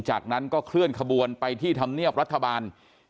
จากนั้นก็เคลื่อนขบวนไปที่ธรรมเนียบรัฐบาล